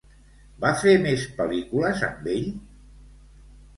Va fer més pel·lícules amb ell?